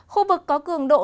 khu vực có cường độ